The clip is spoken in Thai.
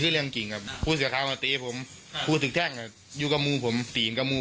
แต่แยกตัวมาซอยมูธ์มูธ์นอนกล่องอยู่